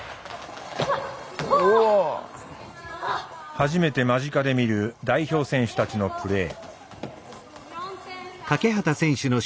初めて間近で見る代表選手たちのプレー。